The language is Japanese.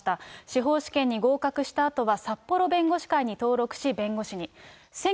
司法試験に合格したあとは、札幌弁護士会に登録し、弁護士に。